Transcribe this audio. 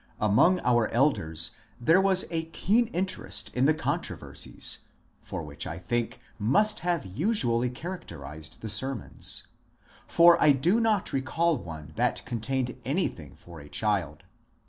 Among our elders there was a keen interest in the controversies which I think must have usually characterized the sermons, for I do not recall one that contained anything for a child.